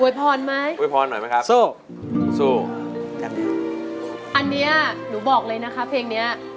อวยพรไหมอวยพรหน่อยไหมครับซูซูอันนี้หนูบอกเลยนะคะเพลงเนี้ย